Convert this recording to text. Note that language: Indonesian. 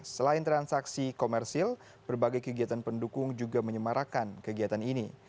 selain transaksi komersil berbagai kegiatan pendukung juga menyemarakan kegiatan ini